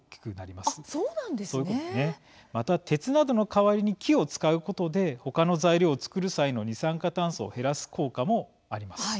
また、鉄などの代わりに木を使うことで他の材料を作る際の二酸化炭素を減らす効果もあります。